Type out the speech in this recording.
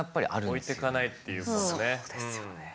置いてかないっていうことね。